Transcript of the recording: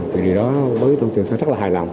từ đó tôi tưởng sẽ rất là hài lòng